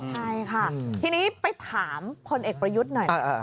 ใช่ค่ะทีนี้ไปถามพลเอกประยุทธ์หน่อย